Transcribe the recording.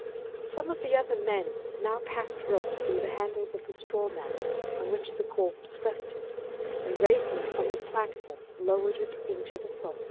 Some of the other men now passed ropes through the handles of the straw mat on which the corpse rested, and raising it from the platform lowered it into the foss.